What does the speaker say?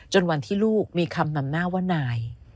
วันที่ลูกมีคำนำหน้าว่านาย